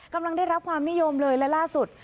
กำลังได้รับความนิยมเลยและล่าสุด